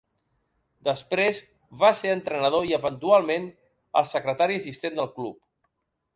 Després, va ser entrenador i eventualment el secretaria assistent del club.